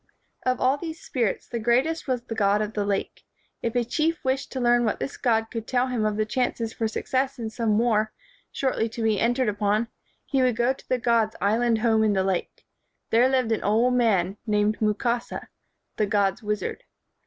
Of all these spirits, the greatest was the god of the lake. If a chief wished to learn what this god could tell him of the chances for success in some war, shortly to be entered upon, he would go to the god's island home in the lake. There lived an old man, named Mukasa, the god's wizard.